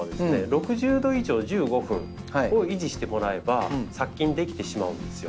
６０度以上１５分を維持してもらえば殺菌できてしまうんですよ。